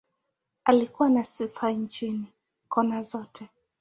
Alikuwa na sifa nchini, kona zote.